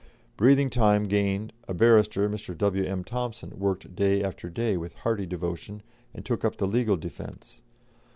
Breathing time gained, a barrister, Mr. W.M. Thompson, worked day after day with hearty devotion, and took up the legal defence.